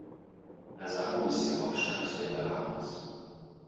Nassau ist die Hauptstadt der Bahamas.